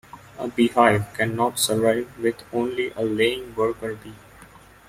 A beehive cannot survive with only a laying worker bee.